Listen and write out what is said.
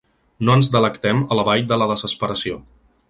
No ens delectem a la vall de la desesperació.